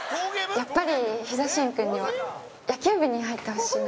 やっぱり、ヒザシン君には野球部に入ってほしいな。